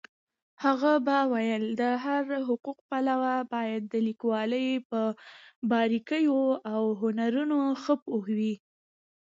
هغە به ویل هر حقوقپوه باید د لیکوالۍ په باريكييواو هنرونو هم ښه پوهوي.